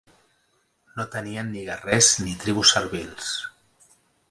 No tenien ni guerrers ni tribus servils.